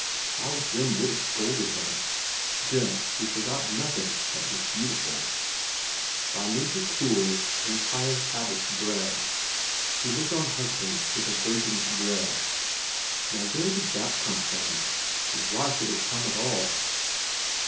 How Jim would have scolded her, Jim who forgot nothing that was beautiful. By nature cool, in pious habits bred, She looked on husbands with a virgin's dread. ... Now where did that come from ? And why should it come at all